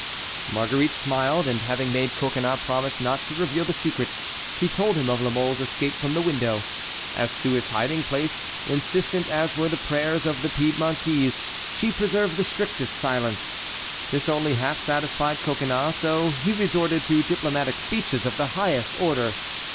Marguerite smiled, and having made Coconnas promise not to reveal the secret, she told him of La Mole's escape from the window. As to his hiding place, insistent as were the prayers of the Piedmontese, she preserved the strictest silence. This only half satisfied Coconnas, so he resorted to diplomatic speeches of the highest order.